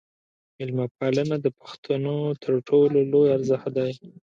میلمه پالنه د پښتنو تر ټولو لوی ارزښت دی.